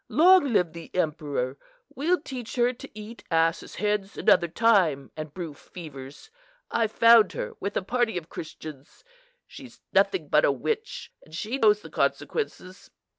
"Long live the Emperor! We'll teach her to eat asses' heads another time, and brew fevers. I found her with a party of Christians. She's nothing but a witch, and she knows the consequences."